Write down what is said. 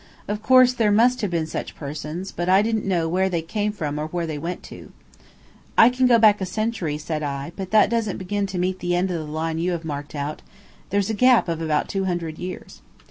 Of course, there must have been such persons, but I didn't know where they came from or where they went to. "I can go back a century," said I, "but that doesn't begin to meet the end of the line you have marked out. There's a gap of about two hundred years."